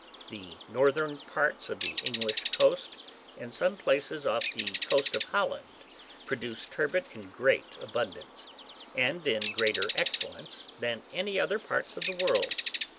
The northern parts of the English coast, and some places off the coast of Holland, produce turbot in great abundance, and in greater excellence than any other parts of the world.